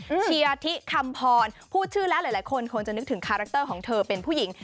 เชียร์ทิคำพรพูดชื่อแล้วหลายคนคงจะนึกถึงคาแรคเตอร์ของเธอเป็นผู้หญิง